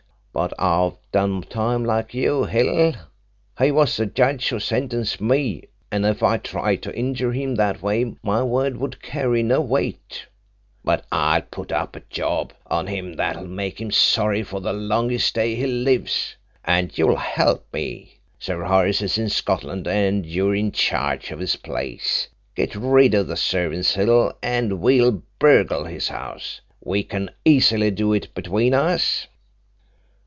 But I've done time, like you, Hill. He was the judge who sentenced me, and if I tried to injure him that way my word would carry no weight; but I'll put up a job on him that'll make him sorry the longest day he lives, and you'll help me. Sir Horace is in Scotland, Hill, and you're in charge of his place. Get rid of the servants, Hill, and we'll burgle his house. We can easily do it between us.'"